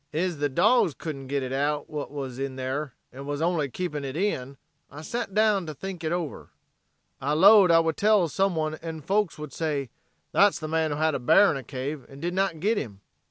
"Ez the dogs couldn't git out whatever wuz in there, and wuz only keepin' hit in, I sat down to think hit over. I lowed I would tell some one en folks would say, 'that's the man who had a bear in a cave, and did not git him.'